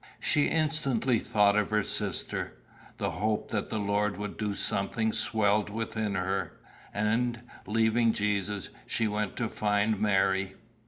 She instantly thought of her sister; the hope that the Lord would do something swelled within her, and, leaving Jesus, she went to find Mary.